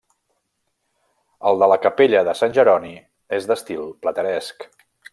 El de la capella de Sant Jeroni és d'estil plateresc.